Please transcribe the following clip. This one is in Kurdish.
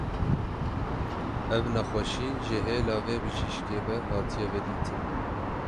Ev nexweşî ji hêla vê bijîşkê ve hatiye vedîtin.